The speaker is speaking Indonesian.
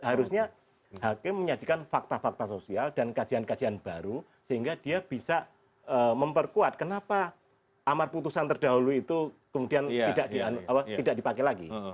harusnya hakim menyajikan fakta fakta sosial dan kajian kajian baru sehingga dia bisa memperkuat kenapa amar putusan terdahulu itu kemudian tidak dipakai lagi